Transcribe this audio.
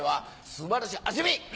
素晴らしい味見！